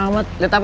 katanya dia aja